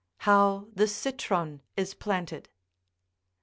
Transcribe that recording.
HOW THE CITRON IS PLANTED.